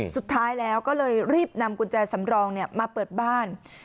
สุดท้ายแล้วก็เลยรีบนำกุญแจสำรองมาเปิดบ้าน